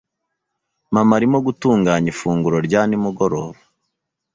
Mama arimo gutunganya ifunguro rya nimugoroba .